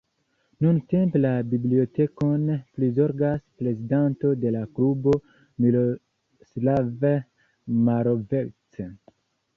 Nuntempe la bibliotekon prizorgas prezidanto de la klubo Miroslav Malovec.